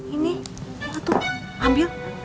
ini enggak tuh ambil